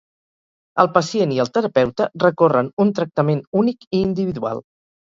El pacient i el terapeuta recorren un tractament únic i individual.